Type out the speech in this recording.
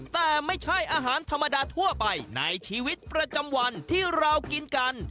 แต่ไม่ใช่อาหารธรรมดาทั่วไปในชีวิตประจำวันที่เรากินกัน